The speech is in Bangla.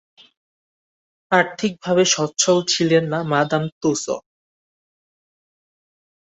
আর্থিকভাবে সচ্ছল ছিলেন না মাদাম তুসো।